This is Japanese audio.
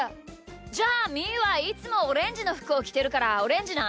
じゃあみーはいつもオレンジのふくをきてるからオレンジな。